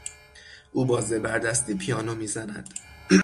او با زبر دستی پیانو میزند.